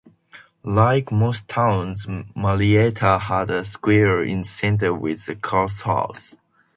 Like most towns, Marietta had a square in the center with a courthouse.